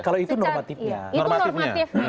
kalau itu normatifnya